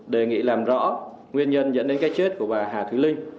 đề nghị làm rõ nguyên nhân dẫn đến cái chết của bà hà thúy linh